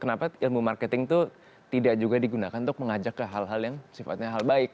kenapa ilmu marketing itu tidak juga digunakan untuk mengajak ke hal hal yang sifatnya hal baik